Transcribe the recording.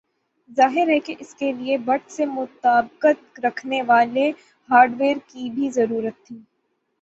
ظاہر ہے کہ اس کے لئے بٹ سے مطابقت رکھنے والے ہارڈویئر کی بھی ضرورت تھی